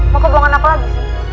mau kebohongan apa lagi